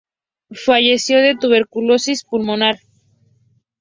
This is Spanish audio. Falleció de tuberculosis pulmonar.